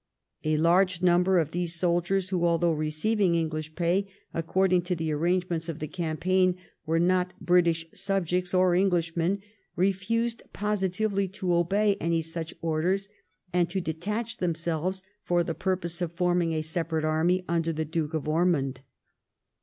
A large number of these soldiers, who, although receiving English pay according to the arrangements of the campaign, were not British subjects or Englishmen, refused positively to obey any such orders, and to detach themselves for the purpose of forming a separate army under the Duke of Ormond.